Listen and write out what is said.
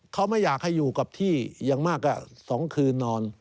เขาไม่อยากให้อยู่กับที่อย่างมาก๒คืนนอน